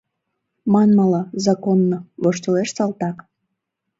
Манмыла, законно, — воштылеш салтак.